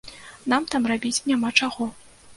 Нам там рабіць няма чаго.